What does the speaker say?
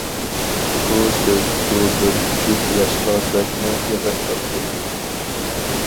بۇ سۆز بۇ بىر جۈپ ياشقا بەكمۇ ئېغىر كەپتۇ.